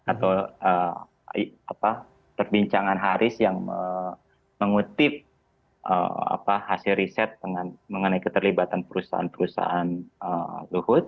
atau perbincangan haris yang mengutip hasil riset mengenai keterlibatan perusahaan perusahaan luhut